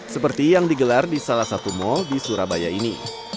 seperti yang digelar di salah satu mal di surabaya ini